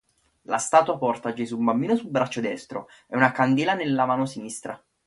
La statua porta Gesù Bambino sul braccio destro e una candela nella mano sinistra.